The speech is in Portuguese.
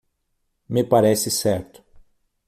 Me parece certo.